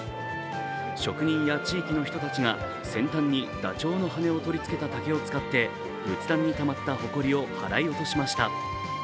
職人や地域の人たちが先端にだちょうの羽根を取り付けた竹を使って、仏壇にたまったほこりを払い落としました。